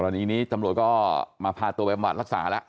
อ่าตอนนี้นี้จำลวดก็มาพาตัวไปประวัติรักษาละ